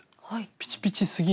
ピチピチすぎない。